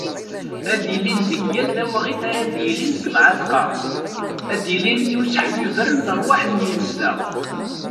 Ad ilin deg yal tawaɣit ara d-yeḍrun deg Mεatqa, ad d-illin i useḥbiber n lerwaḥ n yimezdaɣ.